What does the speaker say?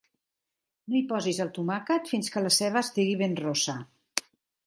No hi posis el tomàquet fins que la ceba estigui ben rossa.